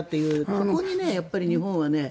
そこに日本はね